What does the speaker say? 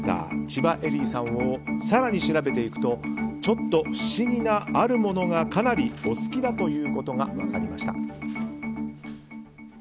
千葉恵里さんを更に調べていくとちょっと不思議なあるものがかなりお好きだということが分かりました。